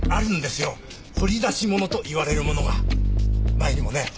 前にもね